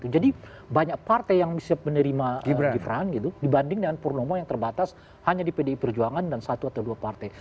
banyak partai yang bisa menerima gibran gitu dibanding dengan purnomo yang terbatas hanya di pdi perjuangan dan satu atau dua partai